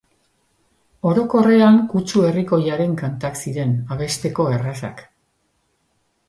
Orokorrean, kutsu herrikoiaren kantak ziren, abesteko errazak.